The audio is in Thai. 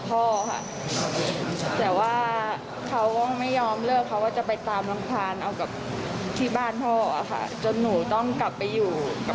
เพราะว่าสงสารลูกค่ะ